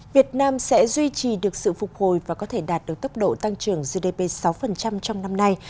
việt nam sẽ duy trì được sự phục hồi và có thể đạt được tốc độ tăng trưởng gdp sáu trong năm nay